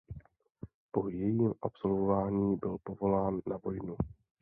Po jejím absolvování byl povolán na vojnu.